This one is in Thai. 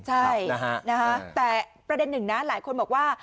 ใช่นะฮะนะฮะแต่ประเด็นหนึ่งน่ะหลายคนบอกว่า